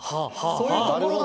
そういうところも。